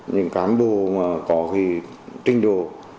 những cán bộ có trình độ